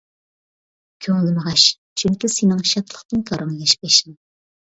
كۆڭلۈم غەش. چۈنكى سېنىڭ شادلىقتىن گاراڭ ياش بېشىڭ!